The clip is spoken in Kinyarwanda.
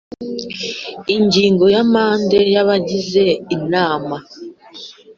Ingingo ya manda y abagize inama